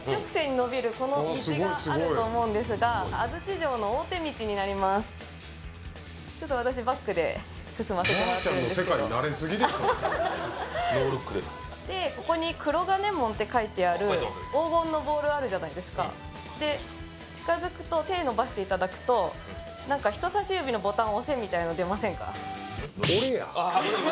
あっすごいすごいこの道があると思うんですが安土城の大手道になります進ませてもらってるんですけどノールックですでここに黒金門って書いてある書いてますね黄金のボールあるじゃないですかで近づくと手のばしていただくと何か人さし指のボタン押せみたいなの出ませんか？